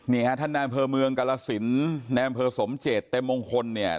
นี่ครับท่านนามเภอเมืองกรรศิลป์นามเภอสมเจ็ดเต็มมงคลเนี่ย